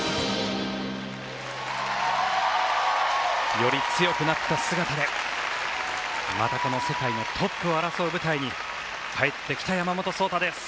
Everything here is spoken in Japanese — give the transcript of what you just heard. より強くなった姿でまたこの世界のトップを争う舞台に帰ってきた山本草太です。